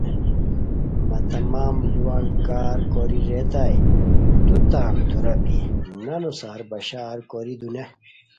مہ تمام ُ لووان کار کوری ریتائے تو تان دُورا بی نانو سار بشار کوری دونی